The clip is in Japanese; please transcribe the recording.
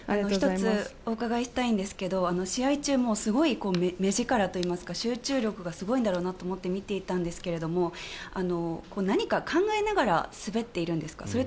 １つお伺いしたいんですけど試合中、すごい目力といいますか集中力がすごいんだろうなと思って見ていたんですが何か考えながら滑っているんですか？